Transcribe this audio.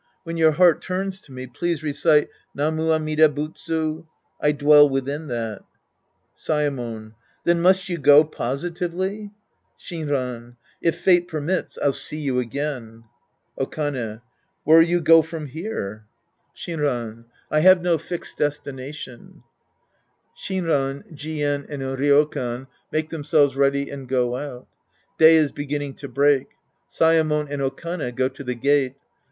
When your heart turns to me, please recite, " Namu Amida Butsu." I dwell within that. Saemon. Then must you go, positively ? Shinran. If fate permits, I'll see you again. Okane. Where'U you go from here ? 58 The Priest and His Disciples Act 1 Sldnran. I have no fixed destination. (Shixran, Jien and Ryokan make themselves ready and go Old. Day is beginning to break. Saemon and Okane go to the gate.